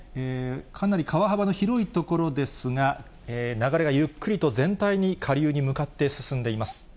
かなり川幅の広い所ですが、流れがゆっくりと全体に下流に向かって進んでいます。